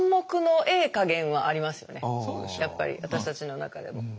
やっぱり私たちの中でも。